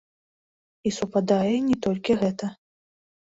І супадае не толькі гэта.